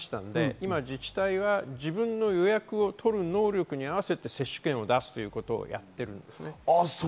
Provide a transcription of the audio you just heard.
今、自治体は自分の予約を取る能力に合わせて接種券を出すということをやっています。